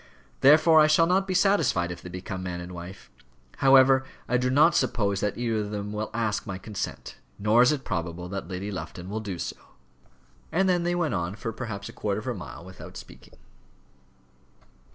Therefore I shall not be satisfied if they become man and wife. However, I do not suppose that either of them will ask my consent; nor is it probable that Lady Lufton will do so." And then they went on for perhaps a quarter of a mile without speaking.